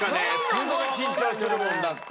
すごい緊張するもんだって。